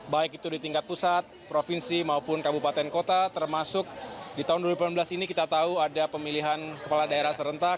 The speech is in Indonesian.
baik itu di tingkat pusat provinsi maupun kabupaten kota termasuk di tahun dua ribu sembilan belas ini kita tahu ada pemilihan kepala daerah serentak